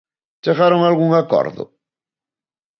¿Chegaron a algún acordo?